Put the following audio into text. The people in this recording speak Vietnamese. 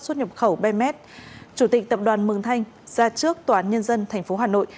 xuất nhập khẩu bms chủ tịch tập đoàn mường thanh ra trước tòa án nhân dân tp hà nội